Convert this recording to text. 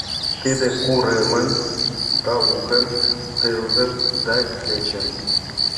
Тиде курымын, талукын, тылзын да кечын